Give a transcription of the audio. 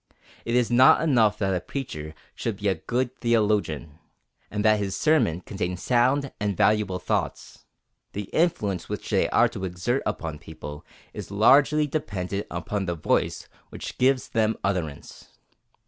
It is not enough that a preacher should be a good theologian, and that his sermon contain sound and valuable thoughts. The influence which they are to exert upon the people, is largely dependent upon the voice which gives them utterance.